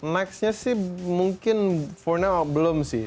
next nya sih mungkin for now belum sih